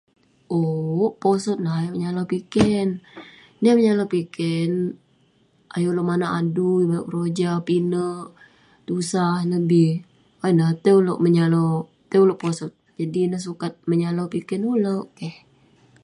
owk...posot neh ayuk menyalau piken..niah menyalau piken, ayuk ulouk manouk adui, manouk keroja pinek..tusah ineh bi..au ineh tai ulouk, menyalau, tai ulouk posot, jadi ineh sukat menyalau piken ulouk..keh